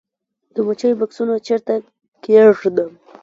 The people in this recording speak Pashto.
د مچیو بکسونه چیرته کیږدم؟